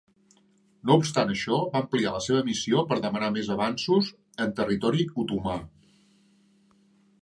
No obstant això, va ampliar la seva missió per demanar més avanços en territori otomà.